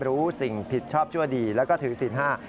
รู้สิ่งผิดชอบชั่วดีแล้วก็ถือศีลห้า